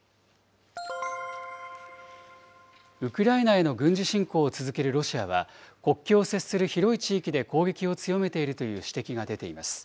ウクライナへの軍事侵攻を続けるロシアは、国境を接する広い地域で攻撃を強めているという指摘が出ています。